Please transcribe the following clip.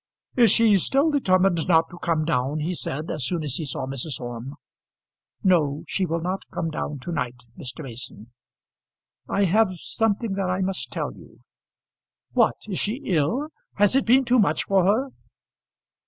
"Is she still determined not to come down?" he said as soon as he saw Mrs. Orme. "No; she will not come down to night, Mr. Mason. I have something that I must tell you." "What! is she ill? Has it been too much for her?"